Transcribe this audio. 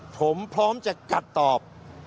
ผมพร้อมจะกัดตอบ